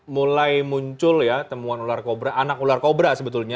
mulai muncul ya temuan ular kobra anak ular kobra sebetulnya